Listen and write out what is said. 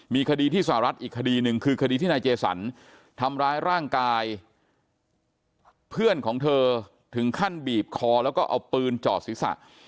มีคดีที่สหรัฐอีกคดีหนึ่งคือคดีที่นายเจสันทำร้ายร่างกายเพื่อนของเธอถึงขั้นบีบคอแล้วก็เอาปืนจอดศีรษะ